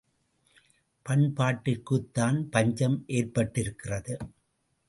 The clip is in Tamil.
பண்பாட்டிற்குத்தான் பஞ்சம் ஏற்பட்டிருக்கிறது.